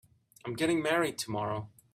I'm getting married tomorrow.